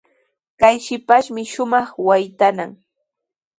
Kay shipashmi shumaq waytanaw.